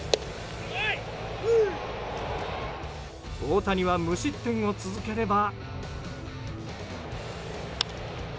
大谷は無失点を続ければ。